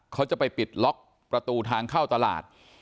เขาจะไปปิดล็อกประตูทางเข้าตลาด